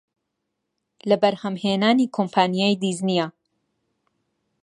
لە بەرهەمهێنانی کۆمپانیای دیزنییە